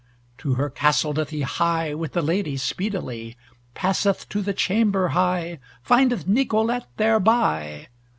To her castle doth he hie With the lady speedily, Passeth to the chamber high, Findeth Nicolete thereby.